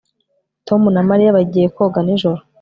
Tom na Mariya bagiye koga nijoro